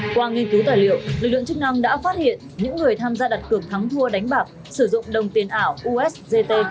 qua nghiên cứu tài liệu lực lượng chức năng đã phát hiện những người tham gia đặt cược thắng thua đánh bạc sử dụng đồng tiền ảo usgt